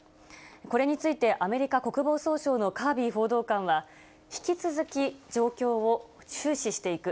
これについてアメリカ国防総省のカービー報道官は、引き続き状況を注視していく。